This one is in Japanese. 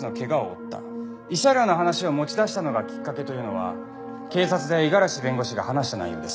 慰謝料の話を持ち出したのがきっかけというのは警察で五十嵐弁護士が話した内容です。